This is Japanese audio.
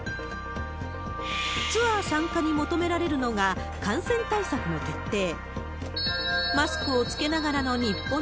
ツアー参加に求められるのが、感染対策の徹底。